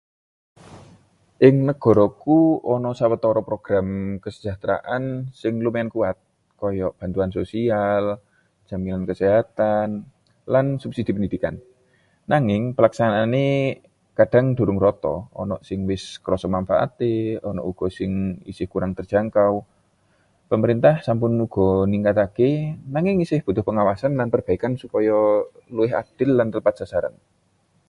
Ing negaraku ana sawetara program kesejahteraan sing lumayan kuat, kaya bantuan sosial, jaminan kesehatan, lan subsidi pendidikan. Nanging pelaksanaane kadhang durung rata, ana sing wis krasa manfaaté, ana uga sing isih kurang terjangkau. Pemerintah sampun usaha ningkataké, nanging isih butuh pengawasan lan perbaikan supaya luwih adil lan tepat sasaran.